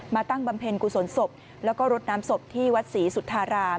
ตั้งบำเพ็ญกุศลศพแล้วก็รดน้ำศพที่วัดศรีสุธาราม